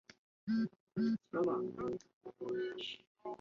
得应本项考试相关类科之考试。